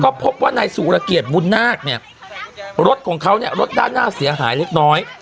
ก็พบว่านายสุรเกียรติบุญนาคเนี่ยรถของเขาเนี่ยรถด้านหน้าเสียหายเล็กน้อย